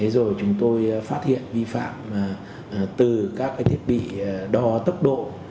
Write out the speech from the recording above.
rồi chúng tôi phát hiện vi phạm từ các thiết bị đo tốc độ